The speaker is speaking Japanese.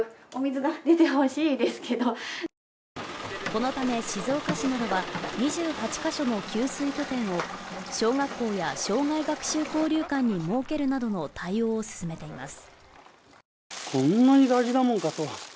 このため静岡市などは２９か所の給水拠点を小学校や生涯学習交流館に設けるなどの対応を進めています。